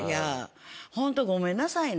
ホントごめんなさいね。